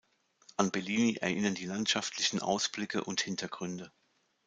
An Bellini erinnern die landschaftlichen Ausblicke und Hintergründe.